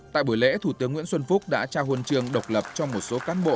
tại buổi lễ thủ tướng nguyễn xuân phúc đã trao hôn trường độc lập cho một số cán bộ